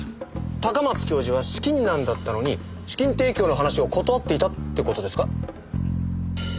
高松教授は資金難だったのに資金提供の話を断っていたって事ですか？